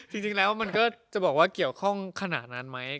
จริงแล้วมันก็จะบอกว่าเกี่ยวข้องขนาดนั้นไหม